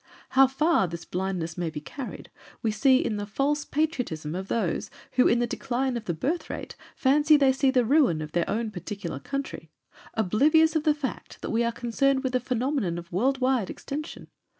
How far this blindness may be carried we see in the false patriotism of those who in the decline of the birth rate, fancy they see the ruin of their own particular country, oblivious of the fact that we are concerned with a phenomenon of world wide extension.